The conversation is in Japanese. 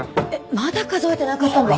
まだ数えてなかったんですか？